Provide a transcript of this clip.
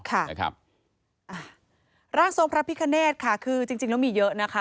ร่างทรงพระพิคเนธค่ะคือจริงแล้วมีเยอะนะคะ